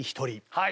はい。